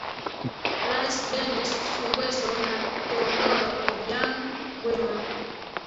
rais dennis sungweso na teondoro obiang gwema